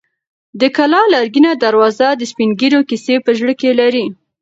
د کلا لرګینه دروازه د سپین ږیرو کیسې په زړه کې لري.